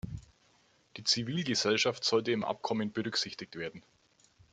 Die Zivilgesellschaft sollte im Abkommen berücksichtigt werden.